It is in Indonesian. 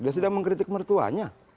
dia sedang mengkritik mertuanya